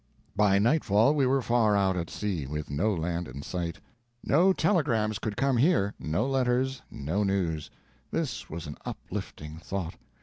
By nightfall we were far out at sea, with no land in sight. No telegrams could come here, no letters, no news. This was an uplifting thought.